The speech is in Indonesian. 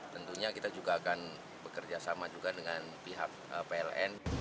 tentunya kita juga akan bekerja sama juga dengan pihak pln